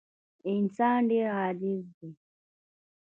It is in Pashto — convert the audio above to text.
انسان ډېر عاجز دی.